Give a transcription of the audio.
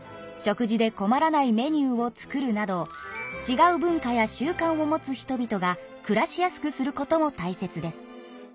食事でこまらないメニューを作るなどちがう文化や習慣を持つ人々が暮らしやすくすることも大切です。